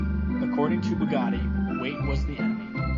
According to Bugatti, "weight was the enemy".